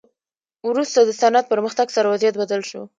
وروسته د صنعت پرمختګ سره وضعیت بدل شو.